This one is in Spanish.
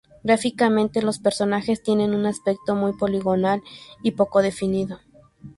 Gráficamente, los personajes tienen un aspecto muy poligonal y poco definido.